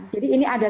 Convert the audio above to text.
jadi ini ada